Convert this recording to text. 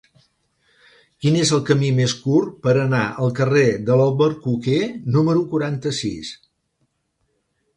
Quin és el camí més curt per anar al carrer de l'Albercoquer número quaranta-sis?